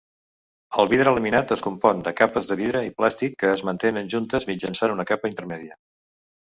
El vidre laminat es compon de capes de vidre i plàstic que es mantenen juntes mitjançant una capa intermèdia.